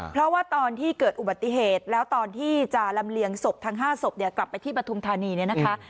เพราะว่าตอนที่เกิดอุบัติเหตุแล้วตอนที่จะลำเลียงศพทั้ง๕ศพเนี่ยกลับไปที่ปฐุมธานีเนี่ยนะคะ